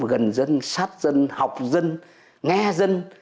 gần dân sát dân học dân nghe dân